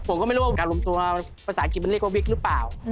ผมก็ไม่รู้ว่าโอกาสรวมตัวภาษาอังกฤษมันเรียกว่าวิกหรือเปล่า